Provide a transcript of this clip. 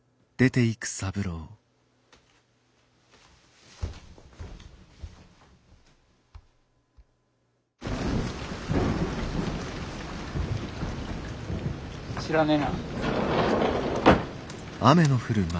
いや知らねえな。